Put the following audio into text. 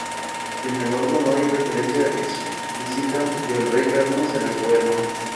Sin embargo, no hay referencia explícita al rey Carlos en el poema.